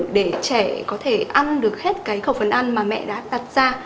để trẻ có thể ăn được hết cái khẩu phần ăn mà mẹ đã đặt ra